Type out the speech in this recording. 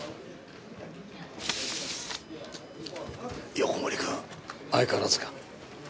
横森君相変わらずか？